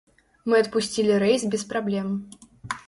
Мы адпусцілі рэйс без праблем.